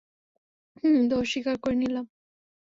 হুম, দোষ স্বীকার করে নিলাম।